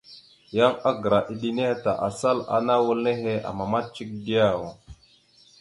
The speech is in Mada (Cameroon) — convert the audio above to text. Yan agra eɗe nehe ta asal ana wal nehe amamat cek diyaw ?